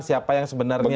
siapa yang sebenarnya